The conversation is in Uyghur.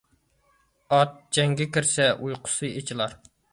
ئات جەڭگە كىرسە ئۇيقۇسى ئېچىلار.